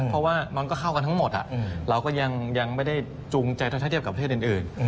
เพราะว่ามันก็เข้ากันทั้งหมดเราก็ยังไม่ได้จูงใจถ้าเทียบกับประเทศอื่น